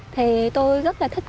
thì tôi rất là thích